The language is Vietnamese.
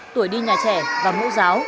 tuổi đi nhà trẻ và mũ giáo